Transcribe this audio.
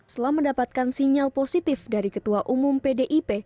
setelah mendapatkan sinyal positif dari ketua umum pdip